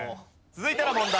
続いての問題